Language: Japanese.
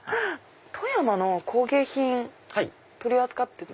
富山の工芸品取り扱ってる。